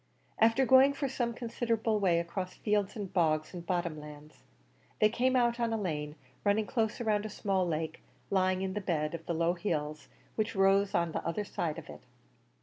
After going for some considerable way across fields and bogs and bottom lands, they came out on a lane, running close round a small lake lying in the bed of the low hills which rose on the other side of it.